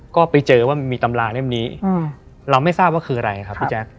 ก็ไปเจอว่ามีตำราเล่มนี้เราไม่ทราบว่าคืออะไรครับพี่แจ๊ค